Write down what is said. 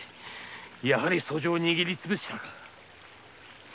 やはり訴状を握りつぶしたか。